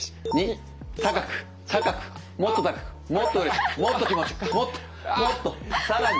高く高くもっと高くもっとうれしくもっと気持ちよくもっともっと更に。